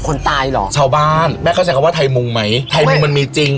คนตายเหรอชาวบ้านแม่เข้าใจคำว่าไทยมุงไหมไทยมุงมันมีจริง